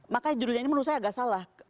makanya judulnya ini menurut saya agak salah